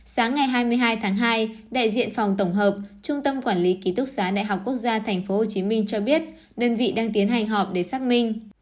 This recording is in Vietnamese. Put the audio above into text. sáng ngày hai mươi hai tháng hai đại diện phòng tổng hợp trung tâm quản lý ký túc xá đại học quốc gia tp hcm cho biết đơn vị đang tiến hành họp để xác minh